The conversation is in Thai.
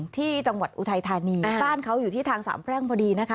อุทัยธานีบ้านเขาอยู่ที่ทางสามแพร่งพอดีนะคะ